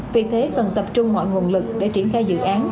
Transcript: vì thế cần tập trung mọi nguồn lực để triển khai dự án